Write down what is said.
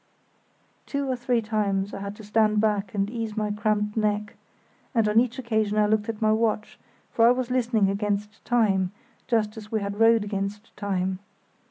Two or three times I had to stand back and ease my cramped neck, and on each occasion I looked at my watch, for I was listening against time, just as we had rowed against time.